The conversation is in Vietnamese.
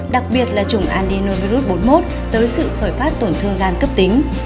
đặc biệt là chủng adenovirus bốn mươi một tới sự khởi phát tổn thương gan cấp tính